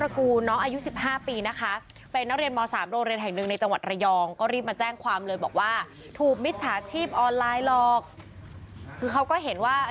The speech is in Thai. คือเขาก็เห็นว่า